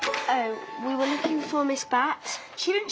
はい。